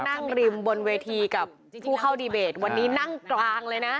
ริมบนเวทีกับผู้เข้าดีเบตวันนี้นั่งกลางเลยนะ